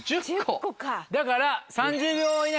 だから。